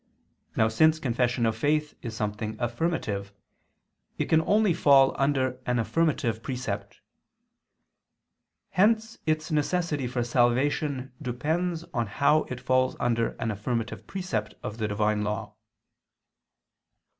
Now since confession of faith is something affirmative, it can only fall under an affirmative precept. Hence its necessity for salvation depends on how it falls under an affirmative precept of the Divine law.